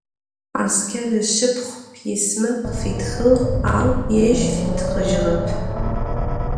Asker ışşıpxhu pisma khıfitxığ, au yêj fitxıjığep.